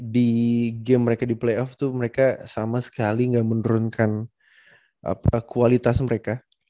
di game mereka di playoff itu mereka sama sekali nggak menurunkan kualitas mereka